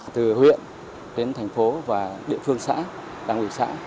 từ huyện đến thành phố và địa phương xã đảng ủy xã